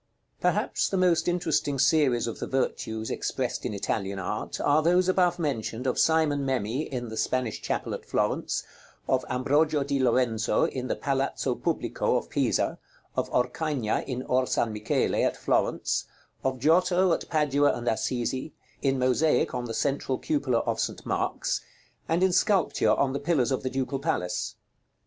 Perhaps the most interesting series of the Virtues expressed in Italian art are those above mentioned of Simon Memmi in the Spanish chapel at Florence, of Ambrogio di Lorenzo in the Palazzo Publico of Pisa, of Orcagna in Or San Michele at Florence, of Giotto at Padua and Assisi, in mosaic on the central cupola of St. Mark's, and in sculpture on the pillars of the Ducal Palace.